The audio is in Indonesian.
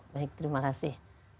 baik terima kasih